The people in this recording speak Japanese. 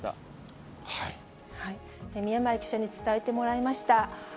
宮前記者に伝えてもらいました。